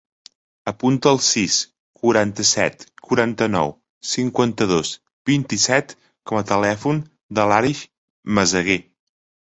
Apunta el sis, quaranta-set, quaranta-nou, cinquanta-dos, vint-i-set com a telèfon de l'Arij Meseguer.